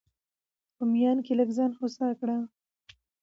په ميان کي لږ ځان هوسا کوه!